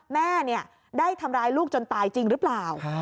แม่ได้ทำร้ายลูกจนตายจริงหรือเปล่า